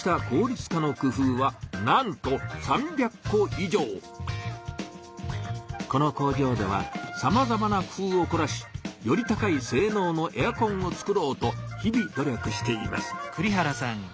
こうしたこの工場ではさまざまな工夫をこらしより高いせいのうのエアコンをつくろうとひび努力しています。